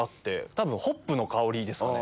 多分ホップの香りですかね